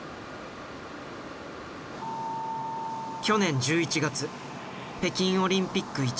去年１１月北京オリンピック